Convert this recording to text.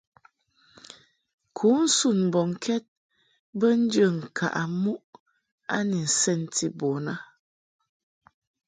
Kunsun mbɔŋkɛd be njə ŋkaʼɨ muʼ a ni nsenti bun a.